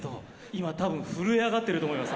今多分震え上がってると思います